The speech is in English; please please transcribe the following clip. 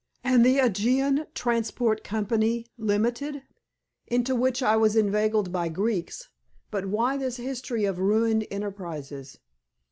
"And the Aegean Transport Company, Limited?" "Into which I was inveigled by Greeks. But why this history of ruined enterprises?"